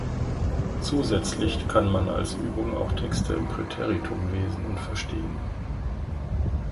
Zusätzlich kann man als Übung auch Texte im Präteritum lesen und verstehen.